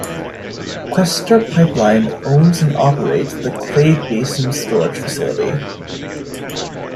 Questar Pipeline owns and operates the Clay Basin storage facility.